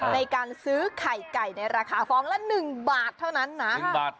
ในการซื้อไข่ไก่ในราคาฟองละ๑บาทเท่านั้นนะ